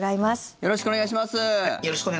よろしくお願いします。